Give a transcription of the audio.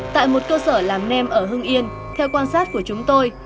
tại một cơ sở làm nem ở hưng yên theo quan sát của chúng tôi